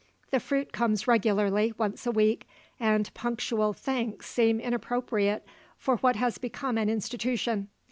The fruit comes regularly once a week, and punctual thanks seem inappropriate for what has become an institution.